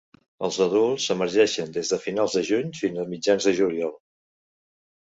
Els adults emergeixen des de finals del juny fins a mitjans del juliol.